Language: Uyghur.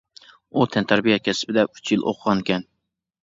ئۇ تەنتەربىيە كەسپىدە ئۈچ يىل ئوقۇغانىكەن.